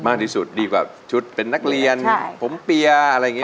มากที่สุดดีกว่าชุดเป็นนักเรียนผมเปียร์อะไรอย่างนี้